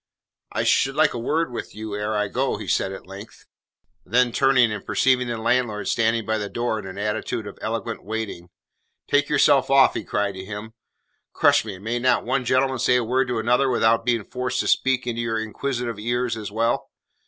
"I should like a word with you ere I go," he said at length. Then turning and perceiving the landlord standing by the door in an attitude of eloquent waiting: "Take yourself off," he cried to him. "Crush me, may not one gentleman say a word to another without being forced to speak into your inquisitive ears as well?